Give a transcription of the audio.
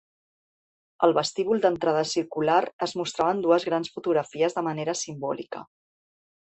Al vestíbul d'entrada circular es mostraven dues grans fotografies de manera simbòlica.